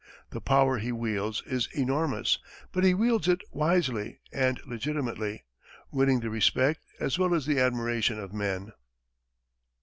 The power he wields is enormous, but he wields it wisely and legitimately, winning the respect, as well as the admiration of men.